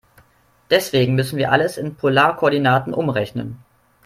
Deswegen müssen wir alles in Polarkoordinaten umrechnen.